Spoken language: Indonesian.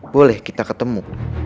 boleh kita ketemu